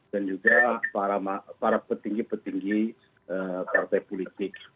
dan juga para petinggi petinggi partai politik